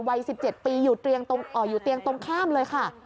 วัย๑๗ปีอยู่เตียงตรงข้ามเลยค่ะ